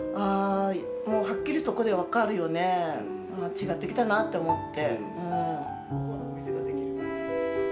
違ってきたなって思って。